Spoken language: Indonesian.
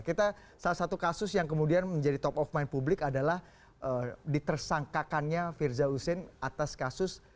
kita salah satu kasus yang kemudian menjadi top of mind publik adalah ditersangkakannya firza hussein atas kasus